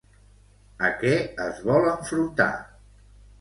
A què es vol enfrontar?